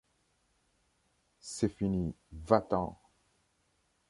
C’est fini, va-t’en !…